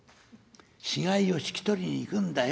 「死骸を引き取りに行くんだよ」。